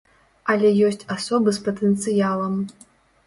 Але ёсць асобы з патэнцыялам.